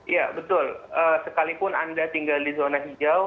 ya betul sekalipun anda tinggal di zona hijau